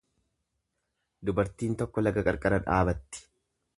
Dubartiin tokko laga qarqara dhaabatti.